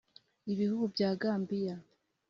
Ibihugu bya Gambiya